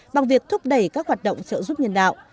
bằng việc thúc đẩy các hoạt động trợ giúp nhân đạo